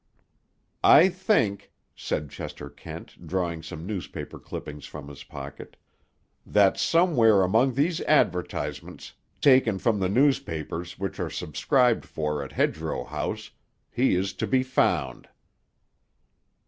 "I think," said Chester Kent, drawing some newspaper clippings from his pocket; "that somewhere among these advertisements, taken from the newspapers which are subscribed for at Hedgerow House, he is to be found."